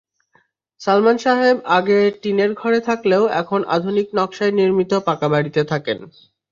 সালমান সাহেব আগে টিনের ঘরে থাকলেও এখন আধুনিক নকশায় নির্মিত পাকাবাড়িতে থাকেন।